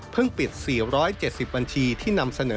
ปิด๔๗๐บัญชีที่นำเสนอ